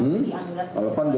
pak merasa tidak lagi anggap